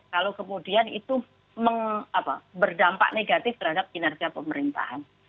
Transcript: kalau kemudian itu berdampak negatif terhadap kinerja pemerintahan